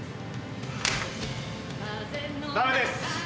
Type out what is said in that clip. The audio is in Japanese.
ダメです